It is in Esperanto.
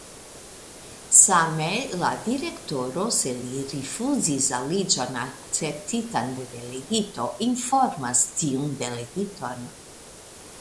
Same la Direktoro, se li rifuzis aliĝon akceptitan de Delegito, informas tiun Delegiton.